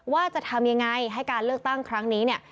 ว่าจะทำยังไงให้การเลือกตั้งครั้งนี้เนี่ย